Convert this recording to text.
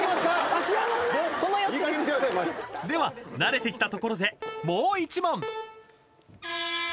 ［では慣れてきたところでもう１問］